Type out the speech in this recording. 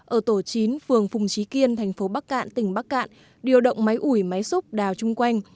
ở tổ chín phường phùng trí kiên thành phố bắc cạn tỉnh bắc cạn điều động máy ủi máy xúc đào chung quanh